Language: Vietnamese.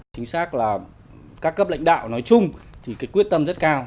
chính xác là các cấp lãnh đạo nói chung thì cái quyết tâm rất cao